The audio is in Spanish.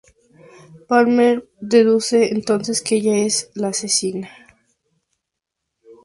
Palmer deduce entonces que ella es la asesina.